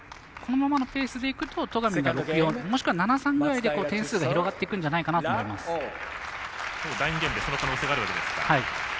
このままのペースでいくと６−４、もしくは７−３ぐらいで点数が広がっていくんじゃないかなと思います。